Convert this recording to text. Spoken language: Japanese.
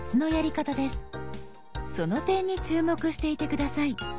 その点に注目していて下さい。